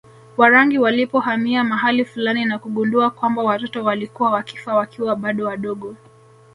Warangi walipohamia mahali fulani na kugundua kwamba watoto walikuwa wakifa wakiwa bado wadogo